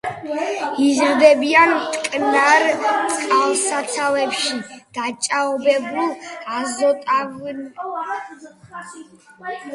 იზრდებიან მტკნარ წყალსაცავებში, დაჭაობებულ, აზოტოვანი შენაერთებით და ნაწილობრივ მინერალური მარილებით ღარიბ ნიადაგზე.